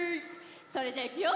それじゃいくよ。